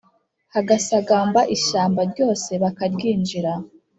hagasagamba ishyamba ryose bakaryinjira